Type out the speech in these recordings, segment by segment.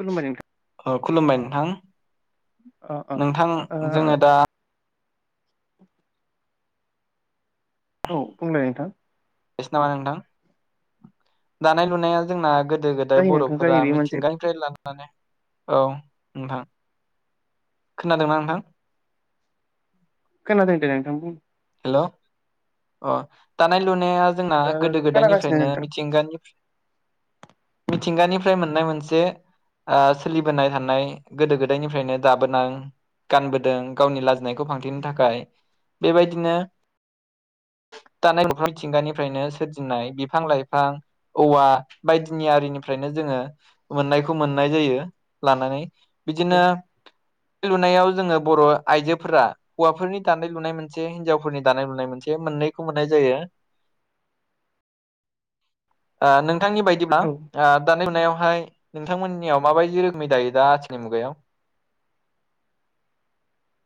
खुलुमबाय नोंथां ओ खुलुमबाय नोंथां अ नोंथां अ जोङो दा [inaudible] औ बुंलाय नोंथां जागायनोसै नामा नोंथां दानाय लुनाया जोंना गोदो गोदाय जायो नोंथां बर'फोरा जायो बे मोनसे मिथिंगानिफ्राय लानानै औ नोंथां खोनादोंना नोंथां खोनादों दे बुं हेलौ अ दानाय लुनाया जोंना ओ गोदो खोनागासिनो गोदायनिफ्रायनो नोंथां मिथिंगानिफ्राय मिथिंगानिफ्राय मोननाय मोनसे ओ सोलिबोनाय थानाय गोदो गोदायनिफ्रायनो दाबोनां गानबोदों गावनि लाजिनायखौ फांथिनो थाखाय बेबायदि बिदिनो दानाय लुनाय मिथिंगानिफ्रायनो सोरजिनाय बिफां लाइफां औवा बायदिनि आरिनिफ्रायनो जोङो मोननायखौ मोननाय जायो लानानै बिदिनो दानाय लुनायाव जोङो बर' आइजोफोरा हौवाफोरनि दानाय लुनाय मोनसे हिनजावफोरनि दानाय लुनाय मोनसे मोननैखौ मोननाय जायो ननि बायदिब्ला औ मा दा बेवहाय नोंथांमोननियाव माबायदि रोखोमै दायो दा आथिनि मुगायाव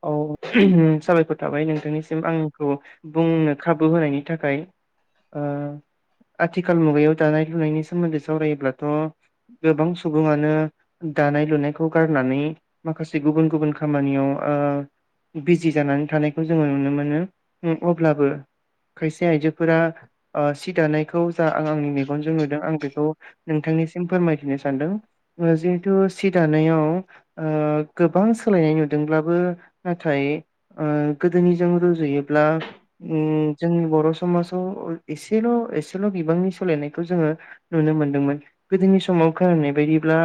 औ साबायखर थाबाय नों ननिसिम आंखौ बुंनो खाबु होनायनि थाखाय ओ आथिखाल मुगायाव दानाय लुनायनि सोमोन्दै सावरायोब्लाथ' गोबां सुबुङानो दानाय लुनायखौ गारनानै माखासे गुबुन गुबुन खामानियाव ओ बिजि जानानै थानायखौ जोङो नुनो मोनो अब्लाबो खायसे आइजोफोरा सि दानायखौ जा आं आंनि मेगनजों नुदों आं बेखौ नोंथांनिसिम फोरमायथिनो सानदों जिहेथु सि दानायाव गोबां सोलायनाय नुदोंब्ला नाथाय ओ गोदोनिजों रुजुयोब्ला जोंनि बर' समाजाव एसेल' एसेल' बिबांनि सोलायनायखौ जोङो नुनो मोनदोंमोन गोदोनि समाव खोनानाय बायदिब्ला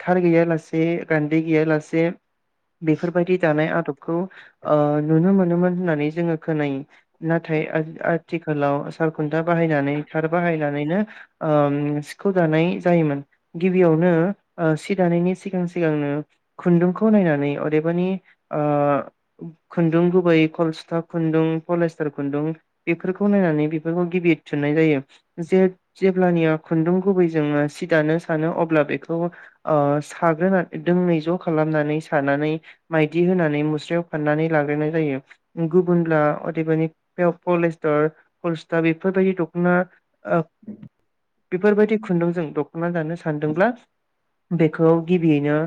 थार गैया लासे गान्दै गैया लासे बे बेफोरबायदि दानाय आदबखौ ओ नुनो मोनोमोन होननानै जोङो खोनायो नाथाय आथिखालाव सालखुन्था बाहायनानै थार बाहायनानैनो सिखौ दानाय जायोमोन गिबियावनो सि दानायनि सिगां सिगांनो खुन्दुंखौ नायनानै माबानि ओ खुन्दुं गुबै कलस्था खुन्दुं पलेस्टार खुन्दुं बेफोरखौ नायनानै बेफोरखौ गिबि थुननाय जायो जे जेब्लानिया खुन्दुं गुबै जोङो सि दानो सानो अब्ला बेखौ साग्रोनानै दोंनै ज' खालामनानै सानानै मायदि होनानै मुस्रायाव फाननानै लाग्रोनाय जायो गुबुनब्ला अदेबानि पलस्टर पलस्टा बेफोरबायदि दख'ना अ बेफोरबायदि खुन्दुंजों दख'ना दानो सानदोंब्ला बेखौ गिबियैनो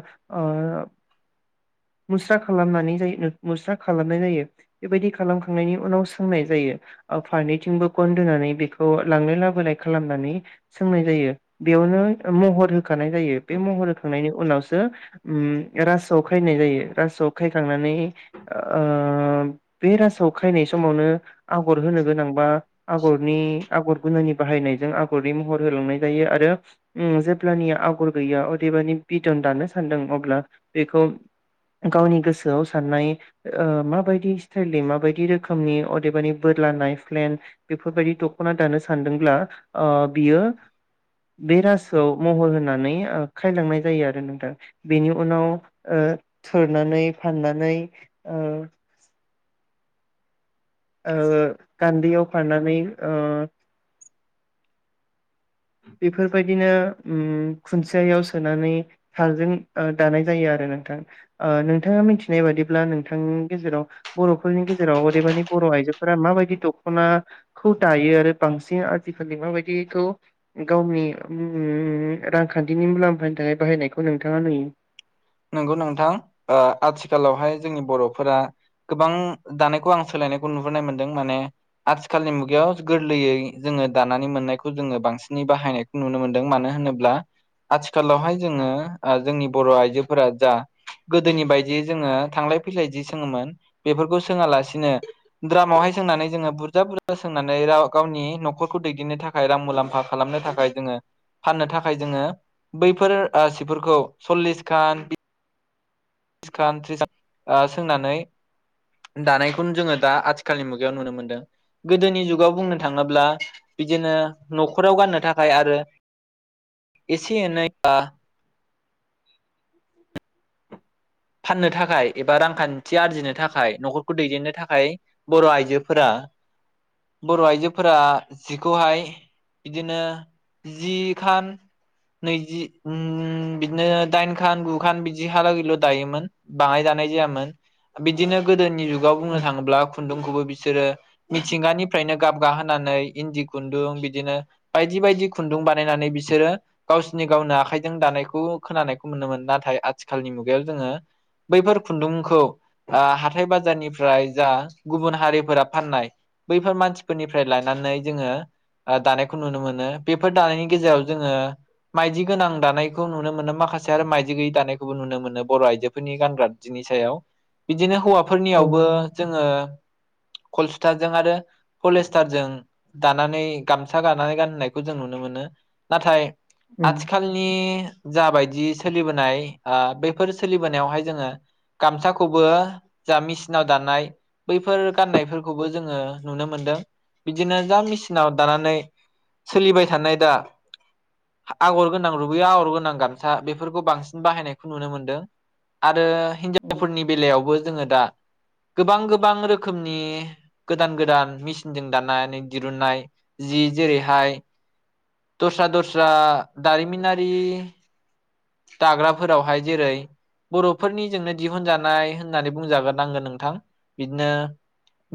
मुस्रा खालामनानै जायो मुस्रा खालामनाय जायो बेबायदि खालामखांनायनि उनाव सोंनाय जायो फारनैथिंबो गनदोनानै बेखौ लांलाय लाबोलाय खालामनानै सोंनाय जायो बेयावनो महर होखानाय जायो बे महर होखांनायनि उनावसो रासोआव खायनाय जायो रासोआव खायखांनानै ओ बे रासाव खायनाय समावनो आगर होनो गोनांबा आगरनि आगर गुनानि बाहायनायजों आगरनि महर होलांनाय जायो आरो जेब्लानिया आगर गैया अदेबानि बिदन दानो सानदों अब्ला बेखौ गावनि गोसोआव साननाय ओ माबायदि स्टाइलनि माबायदि रोखोमनि अदेबानि बोरला नाय फ्लेन बेफोरबायदि दखना दानो सानदोंब्ला बियो बे रासोआव महर होनानै खायलांनाय जायो आरो नोंथां बेनि उनाव थोरनानै फाननानै ओ गान्दियाव खाननानै ओ बेफोरबायदिनो उम खुन्सेययाव सोनानै हारजों दानाय जायो आरो नोंथां नोंथाङा मिथिनाय बादिब्ला नोंथांनि गेजेराव बर'फोरनि गेजेराव ओरैबानि बर' आइजोफोरा माबायदि दख'नाखौ दायो आरो बांसिन आजिखालि माबायदिखौ गावनि उम रांखान्थिनि मुलाम्फानि थाखाय बाहायनायखौ नोंथाङा नुयो नंगौ नोंथां आथिखालावहाय जोंनि बर'फोरा गोबां दानायखौ आं सोलायनायखौ नुहुरोनाय मोनदों माने आथिखालनि मुगायाव गोरलैयै जोङो दानानै मोननायखौ जोङो बांसिनै बाहायनायखौ नुनो मोनदों मानो होनोब्ला आथिखालावहाय जोङो जोंनि बर' आइजो फोर जा गोदोनि बायदियै जोङो थांलाय फैलाय जि सोङोमोन बेफोरखौ सोङालासिनो द्रामावहाय सोंनानै जोङो बुरजा बुरजा सोंनानै राव गावनि न'खरखौ दैदेननो थाखाय रां मुलाम्फा खालामनो थाखाय जोङो फाननो थाखाय जोङो बैफोर सिफोरखौ सल्लिस गान्द ख्रि ओ सोंनानै दानायखौनो जोङो दा आथिखालनि मुगायाव नुनो मोनदों गोदोनि जुगाव बुंनो थाङोब्ला बिदिनो न'खराव गाननो थाखाय आरो एसे एनै फाननो थाखाय एबा रांखान्थि आरजिनो थाखाय न'खरखौ दैदेननो थाखाय बर' आइजोफोरा बर' आइजोफोरा जिखौहाय बिदिनो जिखान नैजि बिदिनो दाइनखान गुखान बिदि हालागैल दायोमोन बाङाय दानाय ज बिदिनो गोदनि दाव बुंनो थाङोब्ला खुन्दुंखौबो बिसोरो मिथिंगानिफ्रायनो गाबग होनोनानै इन्दि खुन्दुं बिदिनो बायदि बायदि खुन्दुं बानायनानै बिसोरो गावसिोरनि गावनो आखाइजों दानायखौ खोनानायखौ मोनोम मोनोन नाथाय आथिखालनि मुगायाव जोङो बैफोर खुन्दुंखौ हाथाय बाजारनिफ्राय जा गुबुन हारिफोरा फाननाय बैफोर मानसिफोरनिफ्राय लानानै जोङो दानायखौ नुनो मोनो बेफोर दानायनि गेजेराव जोङो माइदि गोनां दानायखौ नुनो मोनो माखासे आरो माइदि गैयै दानायखौबो नुनो मोनो बर' आइजोफोरनि गानग्रा जिनि सायाव बिदिनो औ हौवाफोरनियावबो जोङो कलसुथाजों आरो पलेसटारजों दानानै गामसा गानानै गाननायखौ जों नुनो मोनो नाथाय आथिखालनि जाबायदि सोलिबोनाय आ बे बेफोर सोलिबोनायावहाय जोङो गामसाखौबो जा मेसिनाव दानाय बैफोर गाननायफोरखौबो जोङो नुनो मोनदों बिदिनो जा मेचनाव दानानै सोलिबाय थानाय दा आगर गोनां रुबैया आगर गोनां गामसा बेफोरखौ बांसिन बाहायनायखौ नुनो मोन्दों आरो हिनजावफोरनि बेलायावबो जोङो दा गोबां गोबां रोखोमनि गोदान गोदान मेसिनजों दानानै दिरुननाय जि जेरैहाय दस्रा दस्रा दारिमिनारि दाग्राफोरावहाय जेरै बर'फोरनिजोंनो दिहुनजानाय होननानै बुंजागोनांगोन नोंथां बिदिनो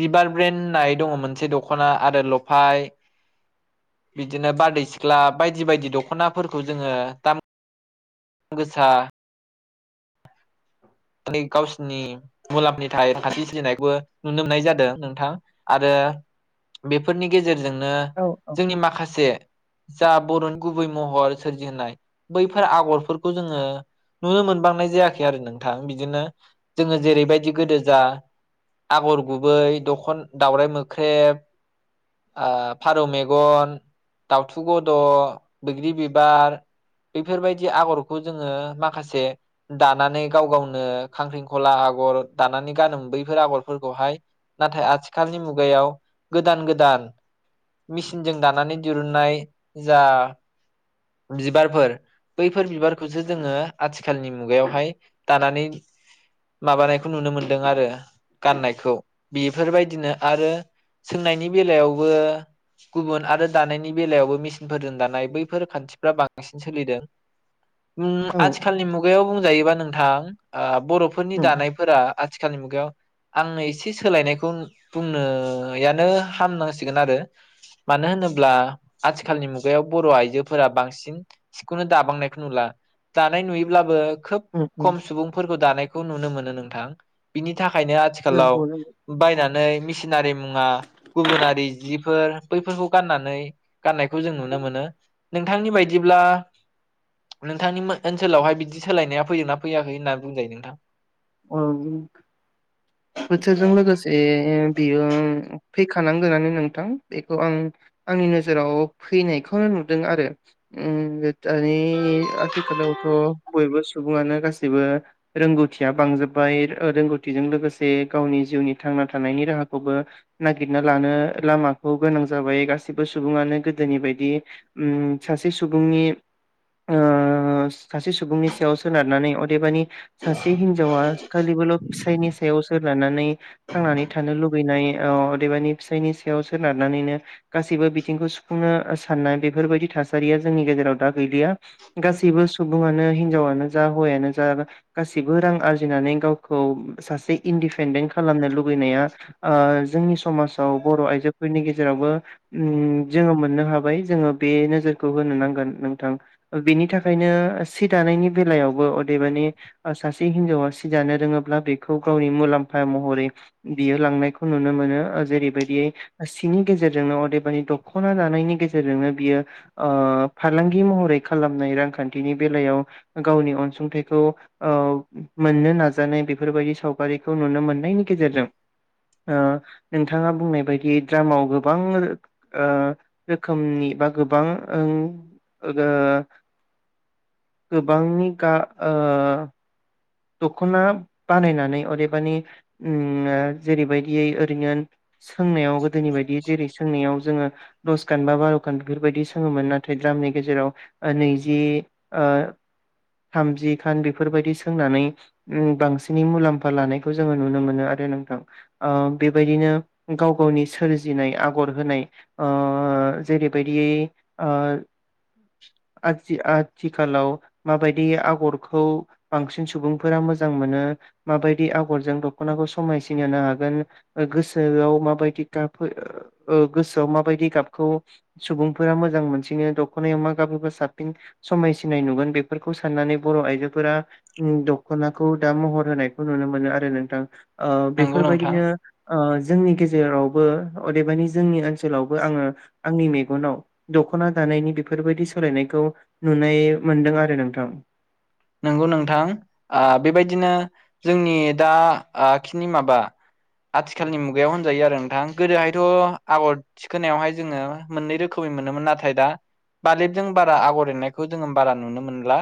बिबार ब्रेन नाइट दखना आरो लफाय सिख्ला बायदि बायदि दख'नाफोरखौ जोङो दाम दाम गोसा गावसिरनि मुलाम्फनि थाखाय रांखान्थि सोलिनायखौबो नुनो मोननाय जादों नोंथां आरो बेफोरनि गेजेराव गेजेरजोंनो औ जोंनि माखासे जा बरनि गुबै महर सोरजिहनाय बैफोर आगरफोरखौ जोंङो नुनो मोनबांनाय। जायाखै आरो नोंथां बिदिनो जोंङो जेरैबायदि गोदो जा आगर गुबै दखन दावराइ मोख्रेब ओ फारौ मेगन दावथु गद बैग्रि बिबार बेफोरबायदि आगरखौ जोंङो माखासे। दानानै गाव गावनो खांख्रिंखला आगर दानानै गानोम बैफोर आगरफोरखौहाय नाथाय आथिखालनि मुगायाव गोदान-गोदान मेचिनजों दानानै दिरुुननाय जा। बिबारफोर बैफोर बिबारखौसो जोंङो आथिखालनि मुगायावहाय दानानै माबानायखौ नुनो मोनदों आरो गाननायखौ बेफोरबायदिनो आरो सोंनायनि बेलायावबो गुबुन आरो दानायनि बेलायावबो मिसिनफोरजों दानाय बैफोर खान्थि। फ्रा बांसिन सोलिदों उम औ आथिखालनि मुगायाव बुंजायोबा नोंथां थां ओब बरफोरनि उम दानायफोरा आथिखालनि मुगायाव आंनो एसे सोलायनायखौ बुंनोयानो हामनांसिगोन आरो मानो होनोब्ला आथिखालनि मुगायाव बर आइजोफोरा बांसिन सिं सिखौनो दाबांनायखौ नुला दानाय नुयोब्लाबो। खोब उम उम खम सुबुंफोरखौ दानाय खौ नुनो मोनो नोंथां बिनि। थाखायनो आथिखालाव नंगौ बायनानै थिनारि मुवा गुबुनारि जिफोर बैफोरखौ गाननानै गाननायखौ जों नुनो मोनो। नोंथांनि बायदि बिदिब्ला नोंथांनि ओनसोलावहाय बिदि सोलायनाया फैदोंना फैयाखै होननानै बुंजायो नोंथां। [unintelligible] बोथोरजों लोगोसे बेयो फैखानांगोनानो नोंथां बेखौ आं आंनि नोजोराव फैनायखौनो नुदों आरो उम दानि आथिखालावथ बयबो सुबुंङानो गासैबो रोंगौथि बांजोबबाय रोंगौथिजों लोगोसे गावनि जिउनि थांना थानायनि राहाखौबो नागिरना लानो लामाखौ गोनां जाबाय गासिबो सुबुंङानो गोदोनि बायदि उम सासे सुबुंनि ओ सासे सुबुंनि सायाव सोनारनानै अदेबानि सास सासे हिनजावा खालिबोल फिसायनि सायाव सोनारनानै थांनानै थानो लुुबैनाय अ अदेबानि फिसायनि सायाव सोनारनानैनो गासैबो बिथिंखौ सुफुंनो साननाय बेफोरबायदि थासारिया जोंनि गेजेराव दा गैलिया गासैबो सुबुंङानो हिनजावानो जा हौवायानो जा जेबो रां आरजिनानै गावखौ सासे इन्डपेन्डेन्ट खालामनो लुुबैनाया ओ जोंनि समाजाव बर' आइजोफोरनि गेजेरावबो उम जोंङो नो हाबाय जोंङो बे नोजोरखौ होनो नांगोन नोंथां बेनि थाखायनो सि दानायनि बेलायावबो अदेबानि सासे हिनजावा सि जानो रोंङोब्ला बेखौ गावनि मुलाम्फा महरै बियो लांनायखौ नुनो मोनो जेरैबायदि सिनि गेजेरजोंनो अदेबानि दखना दानायनि गेजेरजोंनो बियो ओ फालांगि महरै खालामनाय रांखान्थिनि बेलायाव गावनि अनसुंथाइखौ। ओ मोननो नाजानाय बेफोरबायदि सावगारिखौ नुनो मोननायनि गेजेरजों ओ नोंथांङा बुंनाय बायदि द्रामाव गोबां ओ रोखोमनि बा ओं गोबां गोबांनि खास ओ। दखना बानायनानै अदेबानि उम जेरैबायदियै ओरैनो सोंनायाव गोदोनि बायदि जेरै सोंनायाव जोंङो। दसखान बा बारखान बेफोरबायदि सोंङोमोन नाथाय द्रामनि गेजेराव नैजि थामजि खान बेफोरबायदि सों सोंनानै बांसिनै मुलाम्फा लानायखौ जोंङो नुनो मोनो आरो नोंथां ओ बेबायदिनो गाव गावनि सोरजिनाय आगर होनाय जेरैबायदियै ओ आथि आ थिखालााव माबायदि आगरखौ बांसिन सुबुंफोरा मोजां मोनो माबायदि आगरजों दनाखौ समायसिनाय होनो हागोन गोसोआव माबायदि गाब ओ गोसोआव माबायदि गाबखौ सुबुंफोरा मोजां मोनसिनो दखनायाव मा गाब होबा साबसिन समायसिनाय नुगोन बेफोरखौ साननानै बर' आइजोफोरा उम दख'नाखौ दा महर होनायखौ नुनो मोनो आरो नोंथां। ओ नंगौ नोंथां बेफोरबायदिनो ओ जोंनि गेजेरावबो अदेबानि जोंनि ओनसोलावबो आङो आंनि मेगनाव दखना दानायनि बेफोरबायदि सोलायनायखौ नुनाय मोनदों आरो नोंथां। नंगौ नोंथां ओ बेबायदिनो जोंनि दा ओ खिनि माबा आथिखालनि मुगायाव होनजायो आरो नोंथां गोदोहायथ' आगर थिखोनायावहाय जोङो मोननै रोखोमै मोनोमोन नाथाय दा बालेबजों बारा आगर एरनायखौ जोङो बारा नुनो मोनला।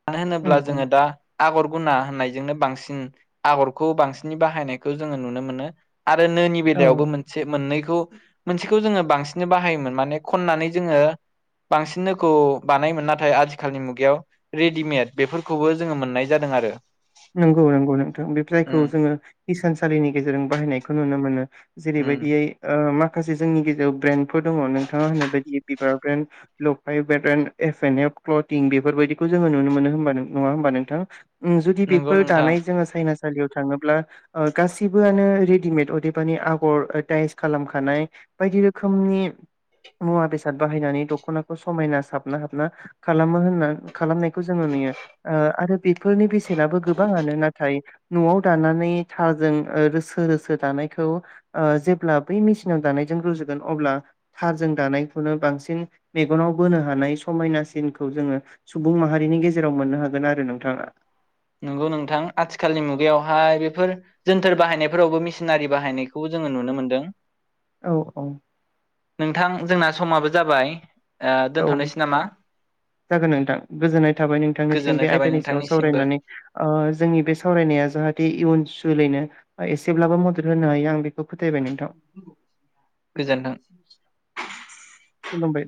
मानो होनोब्ला जोङो उम दा आगर गुना होननायजोंनो बांसिन आगरखौ बांसिन बाहायनायखौ जोङो नुनो मोनो। आरो नोनि औ बेलायावबो औ। मोनसे मोननै मोनसेखौ जोङो बांसिनै बाहायोमोन माने खननानै जोङो बांसिन नोखौ बानायोन नाथाय आथिखालनि मुगायाव रि रेडिमेट बेफोरखौबो जोङो मोननाय जादों आरो। नोंगौ नोंगौ नोंथां बे उम जायखौ जोङो हिसानसालिनि गेजेरजों बाहायनायखौ नुनो मोनो। उम जेरैबायदियै ओ मा खासे जोंनि गेजेराव ब्रेन्डफोर दङ नोंथाङा होननाय बायदि बिबार ब्रेन्ड लफाय brand F N F clothing बेफोरबायदिखौ जोङो नुनो मोनो होमबा नङा होमबा नोंथां? उम जुदि बे नंगौ फोर नोंथां दानाय जोङो साइनास। बायदियाव थाङोब्ला ओ गासिबोआनो रेडिमेद अदेबानि आगर दाइस खालामखानाय बायदि रोखोमनि मुवा बेसाद बाहायनानै दखनाखौ समायना साबना हाबना खालामो होनना खालामनायखौ जोङो नुयो आरो, बेफोरनि बेसेनाबो। गोबाङानो नाथाय न'आव दानानै थारजों ओ रोसो रोसो दानायखौ ओ जेब्ला बै मेसिनाव दानायजों रुजुगोन अब्ला थारजों दानायखौनो बांसिन मेगनाव बोनो हानाय समायनासिनखौ जोङो सुबुं माहारिनि गेजेराव मोननो हागोन आरो नोंथाङा। नंगौ नोंथां आथिखालनि मुगायावहाय बेफोर जोनथोर बाहायनायफोरावबो मेसिनारि बाहायनायखौ जोङो नुनो मोनदों। औ औ। नोंथां जोंना समाबो जाबाय। ओ औ दोनथ'नोसै नामा जागोन नोंथां गोजोननाय थाबाय नोंथांनिसिम गोजोननाय बे थाबाय आयदानि सायाव नोंथांनिसिमबो सावरायनानै। ओ जोंनि बे सावरायनाया जाहाथे इयुन जोलैनो ओ एसेब्लाबो मदद होनो हायो आं बे खौ फोथायबाय नोंथां। गोजोन्थों। खुलुमबाय।